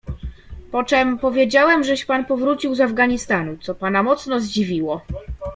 "Poczem powiedziałem, żeś pan powrócił z Afganistanu, co pana mocno zdziwiło."